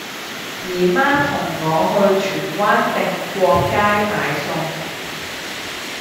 姨媽同我去荃灣定國街買餸